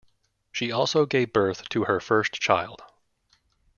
She also gave birth to her first child.